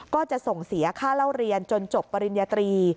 ก็จะส่งเสียค่าเล่าเรียนจนจบปริญญาตรี